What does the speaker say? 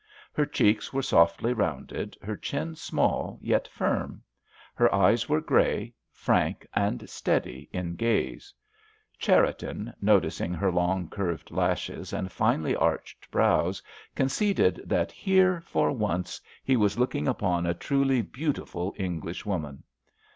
Her cheeks were softly rounded, her chin small, yet firm. Her eyes were grey, frank and steady in gaze. Cherriton, noticing her long, curved lashes and finely arched brows, conceded that here, for once, he was looking upon a truly beautiful English woman.